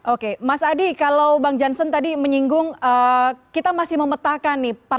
oke mas adi kalau bang jansen tadi menyinggung kita masih memetakan nih